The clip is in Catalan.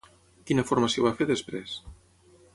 Quina formació va fer després?